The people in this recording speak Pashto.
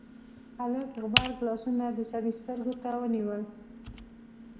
هلک غبرګ لاسونه د سړي سترګو ته ونيول: